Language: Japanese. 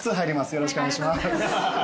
よろしくお願いします。